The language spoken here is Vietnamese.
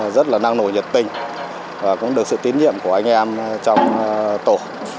rất là năng nổi nhiệt tình và cũng được sự tín nhiệm của anh em trong tổ